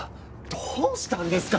どうしたんですか？